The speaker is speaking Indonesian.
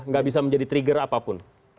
gak bisa menjadi trigger apapun